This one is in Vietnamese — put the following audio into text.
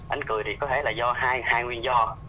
anh cười thì có thể là do hai nguyên do